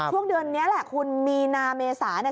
ช่วงเดือนนี้แหละคุณมีนาเมษาเนี่ย